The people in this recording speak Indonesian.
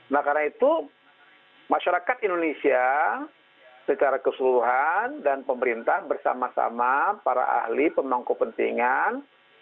nah karena itu masyarakat indonesia secara keseluruhan dan pemerintah bersama sama para ahli pemangku pentingan